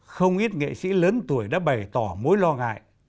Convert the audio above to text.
không ít nghệ sĩ lớn tuổi đã bày tỏ mối lo ngại